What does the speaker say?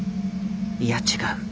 いや違う。